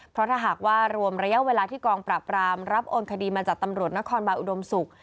เพราะถ้าหากว่ารวมระยะเวลาที่กองปราบรามรับโอนคดีมาจากตำรวจนครบาลอุดมศุกร์